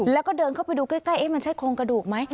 แล้วก็เดินเข้าไปดูใกล้มันใช่โครงกระดูกไหม